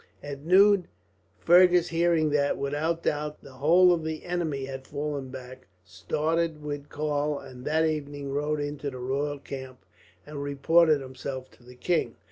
At noon Fergus, hearing that, without doubt, the whole of the enemy had fallen back, started with Karl; and that evening rode into the royal camp, and reported himself to the king.